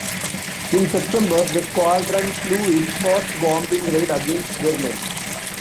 In September, the squadron flew its first bombing raid against Berlin.